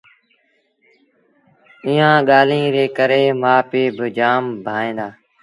ايٚئآݩ ڳآليٚن ري ڪري مآ پي با جآم ڀائيٚݩ دآ